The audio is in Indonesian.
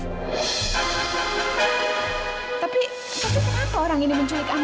tapi tapi kenapa orang ini menculik amira mas